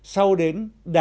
sau đến đảng cử rồi dân bầu